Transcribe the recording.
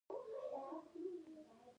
بادي ژرندې هم د خلکو په ګټه اخیستنه کې راغلې.